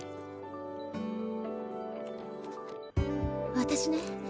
私ね